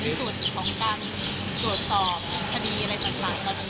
ที่สุดของการตรวจสอบคดีอะไรต่างตอนนี้